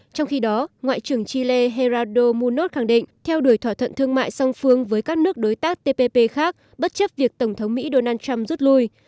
trong khi đó ngoại trưởng chile herado munos khẳng định theo đuổi thỏa thuận thương mại song phương với các nước đối tác tpp khác bất chấp việc tổng thống mỹ donald trump rút lui